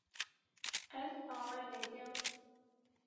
Ez bawer dikim.